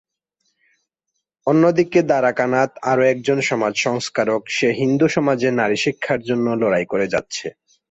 অন্যদিকে, দ্বারকানাথ, আরো একজন সমাজ সংস্কারক, সে হিন্দু সমাজে নারী শিক্ষার জন্য লড়াই করে যাচ্ছে।